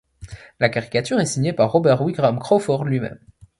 La caricature est signée par Robert Wigram Crawford lui-même.